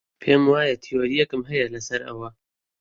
پێم وایە تیۆرییەکم هەیە لەسەر ئەوە.